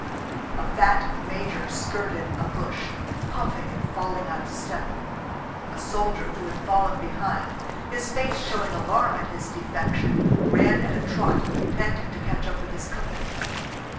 A fat major skirted a bush, puffing and falling out of step; a soldier who had fallen behind, his face showing alarm at his defection, ran at a trot, panting to catch up with his company.